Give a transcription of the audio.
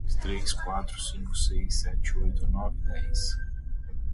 The Swinburne University of Technology Sarawak Campus is located in Kuching, Sarawak, Malaysia.